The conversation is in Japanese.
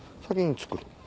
先に作る。